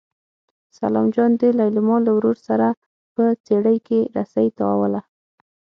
سلام جان د لېلما له ورور سره په څېړۍ کې رسۍ تاووله.